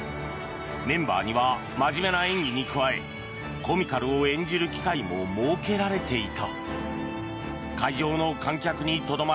メンバーには真面目な演技に加えコミカルを演じる機会も設けられていた。